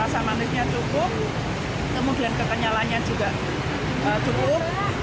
rasa manisnya cukup kemudian ketenyalannya juga cukup